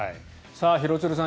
廣津留さん